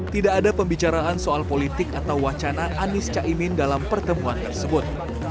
tidak ada pembicaraan soal politik atau wacana anies caimin dalam pertemuan tersebut